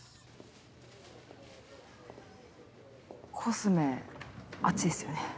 コスメあっちですよね。